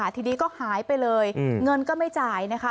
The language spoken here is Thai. ทีนี้ก็หายไปเลยเงินก็ไม่จ่ายนะคะ